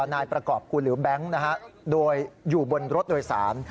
นายประกอบคุณหรือแบงค์โดยอยู่บนรถโดยสาร